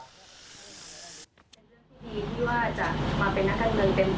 เป็นเรื่องที่ดีที่ว่าจะมาเป็นนักการเมืองเต็ม